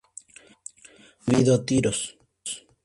Fue recibido a tiros.